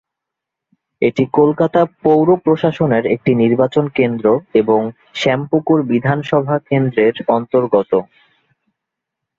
এটি কলকাতা পৌর-প্রশাসনের একটি নির্বাচন কেন্দ্র এবং শ্যামপুকুর বিধানসভা কেন্দ্রের অন্তর্গত।